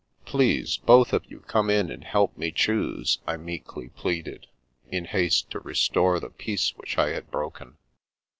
" Please, both of you come in and help me choose," I meekly pleaded, in haste to restore the peace which I had broken.